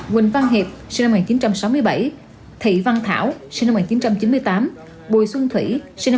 quỳnh văn hiệp sinh năm một nghìn chín trăm sáu mươi bảy thị văn thảo sinh năm một nghìn chín trăm chín mươi tám bùi xuân thủy sinh năm một nghìn chín trăm